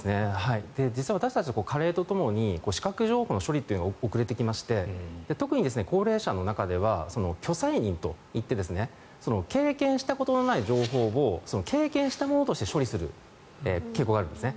実は私たち加齢とともに視覚情報の処理が遅れてきまして特に、高齢者の中では経験したことのない情報を経験したものとして処理する傾向があるんです。